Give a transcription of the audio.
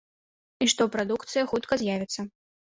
І што прадукцыя хутка з'явіцца.